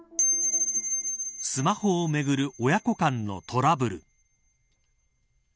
スマホをめぐる親子間のトラブル。